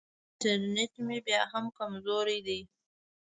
انټرنېټ مې بیا هم کمزوری دی.